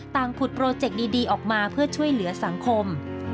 ผุดโปรเจคดีออกมาเพื่อช่วยเหลือสังคม